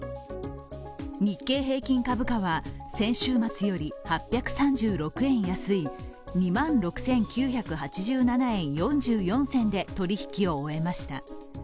日経平均株価は先週末より８３６円安い２万６９８７円４４銭で取引を終えました